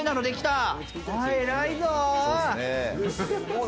すごい。